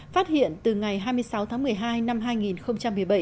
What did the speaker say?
phát hiện từ ngày hai mươi sáu tháng một mươi hai năm hai nghìn một mươi bảy